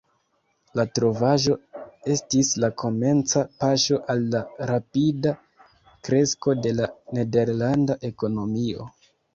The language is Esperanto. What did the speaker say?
La trovaĵo estis la komenca paŝo al rapida kresko de la nederlanda ekonomio.